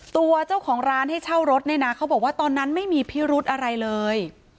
ตัวเจ้าของร้านให้เช่ารถเนี่ยนะเขาบอกว่าตอนนั้นไม่มีพิรุธอะไรเลย